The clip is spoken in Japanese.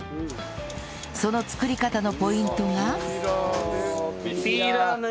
その作り方のポイントが